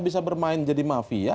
bisa bermain jadi mafia